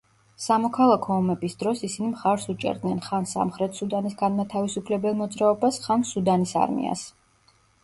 სამოქალაქო ომების დროს ისინი მხარს უჭერდნენ ხან სამხრეთ სუდანის განმათავისუფლებელ მოძრაობას, ხან სუდანის არმიას.